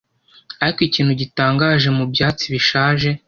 Ariko ikintu gitangaje mubyatsi bishaje